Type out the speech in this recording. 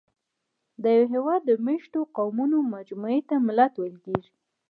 د یوه هېواد د مېشتو قومونو مجموعې ته ملت ویل کېږي.